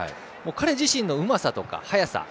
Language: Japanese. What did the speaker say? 彼自身のうまさとか速さ。